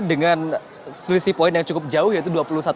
dengan selisih poin yang cukup jauh yaitu dua puluh satu